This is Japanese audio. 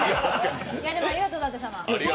でも、ありがと、舘様。